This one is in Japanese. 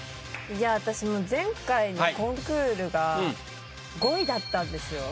私前回のコンクールが５位だったんですよ。